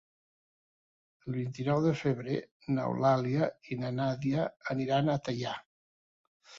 El vint-i-nou de febrer n'Eulàlia i na Nàdia aniran a Teià.